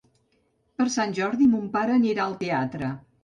Per Sant Jordi mon pare anirà al teatre.